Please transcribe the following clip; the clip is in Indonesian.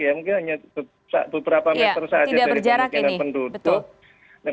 mungkin hanya beberapa meter saja dari pemukiman penduduk